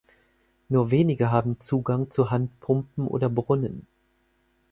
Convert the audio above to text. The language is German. Nur wenige haben Zugang zu Handpumpen oder Brunnen.